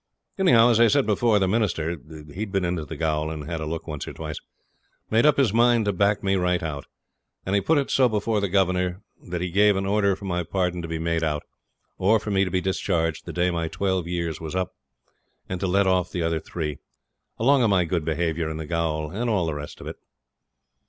Anyhow, as I said before, the Minister he'd been into the gaol and had a look once or twice made up his mind to back me right out; and he put it so before the Governor that he gave an order for my pardon to be made out, or for me to be discharged the day my twelve years was up, and to let off the other three, along of my good behaviour in the gaol, and all the rest of it.